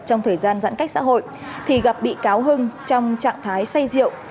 trong thời gian giãn cách xã hội thì gặp bị cáo hưng trong trạng thái say rượu